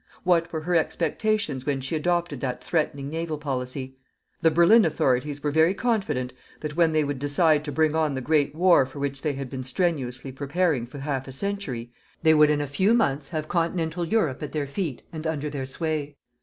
What were her expectations when she adopted that threatening naval policy? The Berlin authorities were very confident that when they would decide to bring on the great war for which they had been strenuously preparing for half a century, they would in a few months have continental Europe at their feet and under their sway.